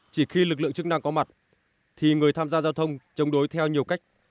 chỉ khi lực lượng chức năng có mặt thì người tham gia giao thông chống đối theo nhiều cách